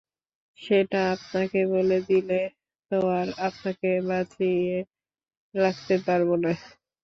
সেটা আপনাকে বলে দিলে তো আর আপনাকে বাঁচিয়ে রাখতে পারবো না।